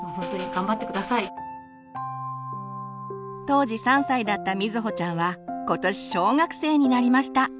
当時３歳だった瑞穂ちゃんは今年小学生になりました！